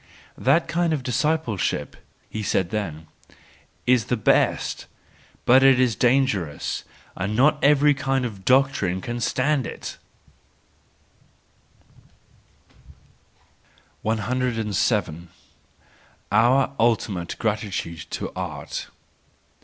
"This kind of discipleship," said he then, "is the best, but it is dangerous, and not every kind of doctrine can stand it" 107. Our Ultimate Gratitude to Art